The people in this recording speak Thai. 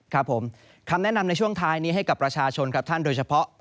ครับผมคำแนะนำในช่วงท้ายนี้ให้กับประชาชนครับท่านโดยเฉพาะ